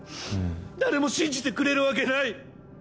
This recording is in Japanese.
誰も信じてくれるわけない！